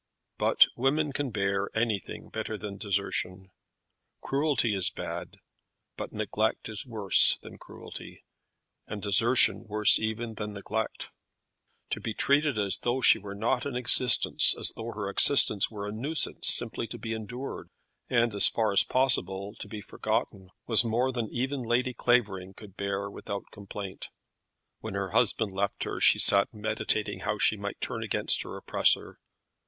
But women can bear anything better than desertion. Cruelty is bad, but neglect is worse than cruelty, and desertion worse even than neglect. To be treated as though she were not in existence, or as though her existence were a nuisance simply to be endured, and, as far as possible, to be forgotten, was more than even Lady Clavering could bear without complaint. When her husband left her, she sat meditating how she might turn against her oppressor.